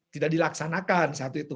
tidak dilaksanakan satu itu